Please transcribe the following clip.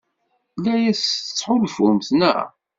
La as-tettḥulfumt, naɣ?